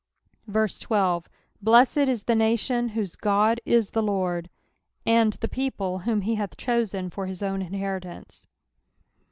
12 Blessed is the nation whose God is the Lord ; and the people whom he hath chosen for his own inheritance.